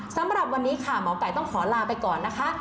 สำหรับวันนี้ค่ะหมอไก่ต้องขอลาไปก่อนนะคะ